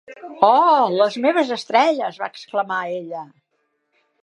"Oh, les meves estrelles!", va exclamar ella.